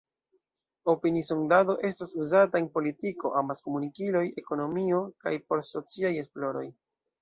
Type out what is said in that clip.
Opini-sondado estas uzata en politiko, amas-komunikiloj, ekonomio kaj por sociaj esploroj.